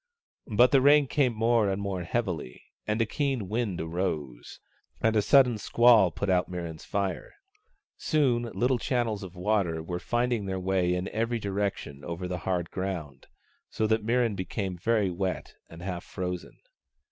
But the rain came more and more heavily and a keen wind arose ; and a sudden squall put out Mirran's fire. Soon, little channels of water were finding their way in every direction over the hard ground, so that Mirran became very wet and half frozen.